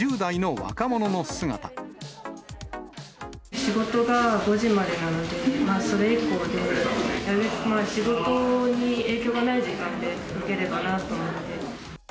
仕事が５時までなので、それ以降で、仕事に影響がない時間で打てればなと思って。